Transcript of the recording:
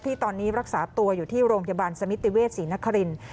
ที่ตอนนี้รักษาตัวอยู่ที่โรงพยาบาลสมิติเวศศรีนครินทร์